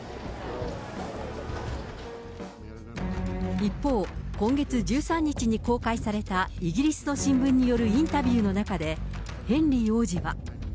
一方、今月１３日に公開された、イギリスの新聞によるインタビューの中で、ヘンリー王子は。